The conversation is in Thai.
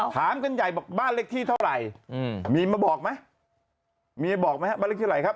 ถามกันใหญ่บอกบ้านเล็กที่เท่าไหร่มีมาบอกมั้ยมีมาบอกมั้ยครับบ้านเล็กที่เท่าไหร่ครับ